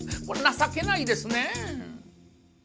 これ情けないですね。